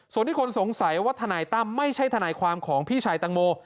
ส่วนที่คนสงสัยว่าทนายตั้มไม่ใช่ทนายความของพี่ชายตังโม